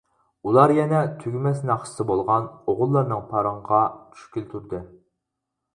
ئۇلار يەنە تۈگىمەس ناخشىسى بولغان ئوغۇللارنىڭ پارىڭىغا چۈشكىلى تۇردى.